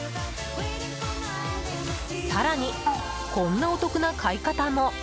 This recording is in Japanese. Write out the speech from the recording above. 更に、こんなお得な買い方も。